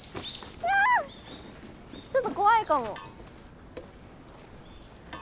ちょっと怖いかも。